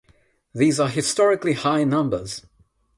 These are historically high numbers.